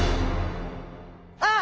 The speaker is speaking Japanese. あっ！